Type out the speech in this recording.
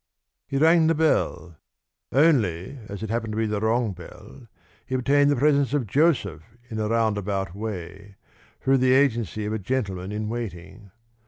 He rang the bell. Only, as it happened to be the wrong bell, he obtained the presence of Joseph in a round about way, through the agency of a gentleman in waiting.